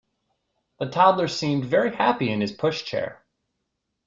The toddler seemed very happy in his pushchair